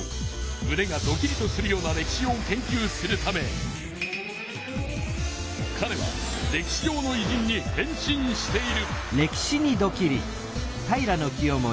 むねがドキリとするような歴史を研究するためかれは歴史上のいじんに変身している。